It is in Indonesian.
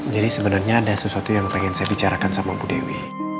jadi sebenarnya ada sesuatu yang pengen saya bicarakan sama bu dewi